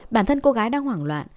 bản thân cô gái đang hoảng loạn